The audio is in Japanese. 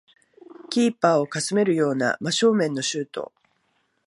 キーパーをかすめるような真正面のシュート